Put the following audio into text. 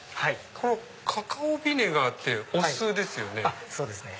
カカオビネガーお酢ですよね？